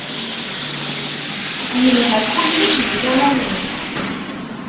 Yelha kullec di tama-nwen.